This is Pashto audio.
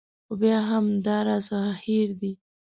خو بیا هم دا راڅخه هېر دي.